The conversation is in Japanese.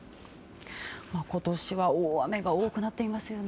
今年は大雨が多くなっていますよね。